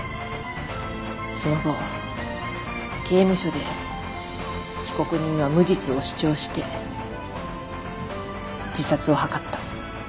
その後刑務所で被告人は無実を主張して自殺を図った。